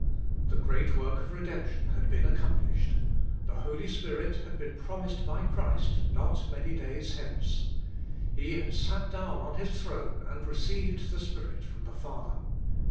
The great work of redemption had been accomplished. The Holy Spirit had been promised by Christ " not many days hence." He had sat down on His throne and received the Spirit from the Father.